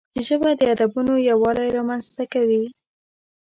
ژبه د ادبونو یووالی رامنځته کوي